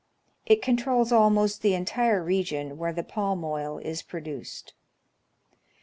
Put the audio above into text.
It controls almost the entire region where the palm oil is produced.